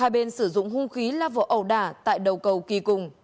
hai bên sử dụng hung khí la vỏ ẩu đả tại đầu cầu kỳ cùng